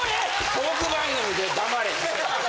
トーク番組で黙れ。